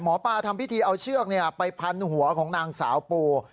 หมอปลาทำพิธีเอาเชือกไปพันหัวของนางสาวปู